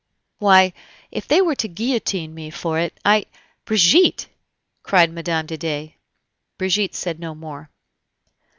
Why, if they were to guillotine me for it, I " "Brigitte!" cried Mme. de Dey. Brigitte said no more.